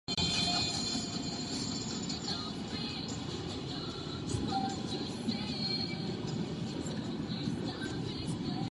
V první části knihy převládají textové záznamy.